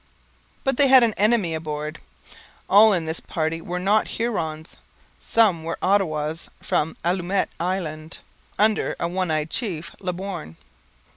But they had an enemy abroad. All in this party were not Hurons; some were Ottawas from Allumette Island, under a one eyed chief, Le Borgne.